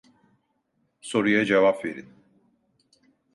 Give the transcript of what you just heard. Soruya cevap verin.